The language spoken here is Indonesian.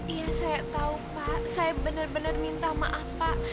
iya saya tahu pak saya benar benar minta maaf pak